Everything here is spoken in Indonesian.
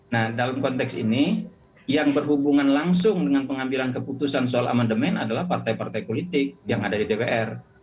nah dalam konteks ini yang berhubungan langsung dengan pengambilan keputusan soal amandemen adalah partai partai politik yang ada di dpr